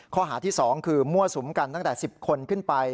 ข้อหาที่๒คือมั่วสุมกันตั้งแต่๑๐คนขึ้นไป